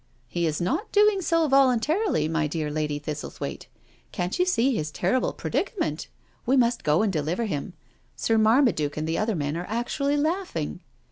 '* He is not doing so voluntarily, my dear Lady Thistlethwaite. Can't you see his terrible predicament? We must go and deliver him. Sir Marmaduke and the other men are actually laughing.'